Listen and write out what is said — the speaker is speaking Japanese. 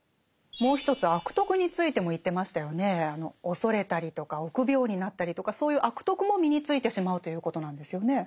恐れたりとか臆病になったりとかそういう「悪徳」も身についてしまうということなんですよね。